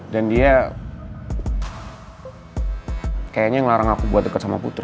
dan dia kayaknya ngelarang aku buat deket sama putri